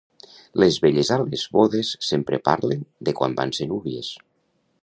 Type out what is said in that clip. Les velles a les bodes sempre parlen de quan van ser núvies.